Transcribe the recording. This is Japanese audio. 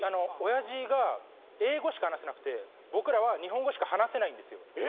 親父が英語しか話せなくて僕らは日本語しか話せないんですよ。